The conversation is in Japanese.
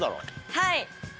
はい。